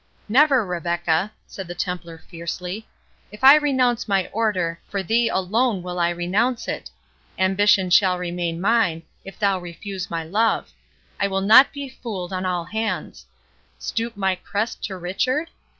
"Never, Rebecca!" said the Templar, fiercely. "If I renounce my Order, for thee alone will I renounce it—Ambition shall remain mine, if thou refuse my love; I will not be fooled on all hands.—Stoop my crest to Richard?